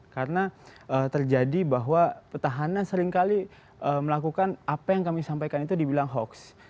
karena terjadi bahwa petahana seringkali melakukan apa yang kami sampaikan itu dibilang hoax